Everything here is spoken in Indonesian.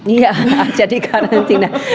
iya arca dikarantina